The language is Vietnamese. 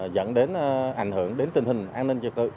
dẫn đến ảnh hưởng đến tình hình an ninh trật tự